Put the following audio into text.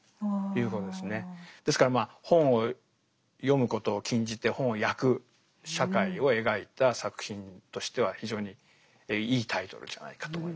ですからまあ本を読むことを禁じて本を焼く社会を描いた作品としては非常にいいタイトルじゃないかと思います。